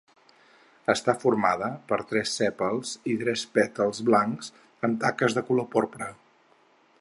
Està formada per tres sèpals i tres pètals blancs amb taques de color porpra.